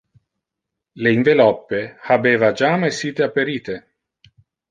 Le inveloppe habeva jam essite aperite.